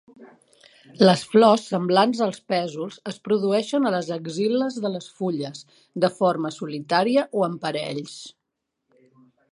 Les flors semblants als pèsols es produeixen a les axil·les de les fulles, de forma solitària o en parells.